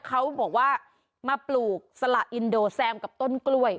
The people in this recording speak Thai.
เขาบอกว่ามาปลูกสละอินโดแซมกับต้นกล้วย